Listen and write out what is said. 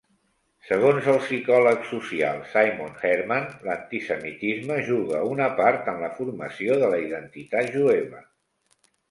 Segons el psicòleg social Simon Hermann, l'antisemitisme juga una part en la formació de la identitat jueva.